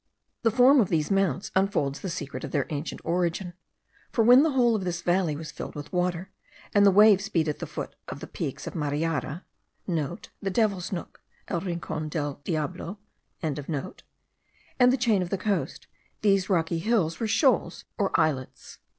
The form of these mounts unfolds the secret of their ancient origin; for when the whole of this valley was filled with water, and the waves beat at the foot of the peaks of Mariara (the Devil's Nook* (* El Rincon del Diablo.)) and the chain of the coast, these rocky hills were shoals or islets.